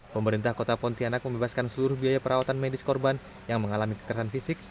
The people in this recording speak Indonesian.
pemerintah kota pontianak membebaskan seluruh biaya perawatan medis korban yang mengalami kekerasan fisik